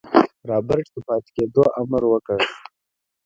رابرټ د پاتې کېدو امر وکړ.